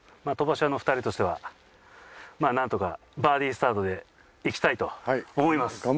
飛ばし屋の２人としてはまあなんとかバーディスタートでいきたいと思います。